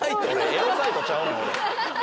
エロサイトちゃうねん。